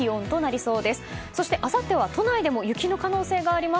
そしてあさっては都内でも雪の可能性があります。